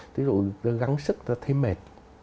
ví dụ gắng sức nó thấy mệt